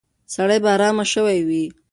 سړی به ارام شوی وي.